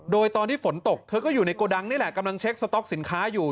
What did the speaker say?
โดยตอนที่ฝนตกเธอก็อยู่ในโกดังนี่แหละกำลังเช็คสต๊อกสินค้าอยู่